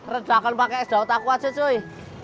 redakan pake es daur taku aja cuy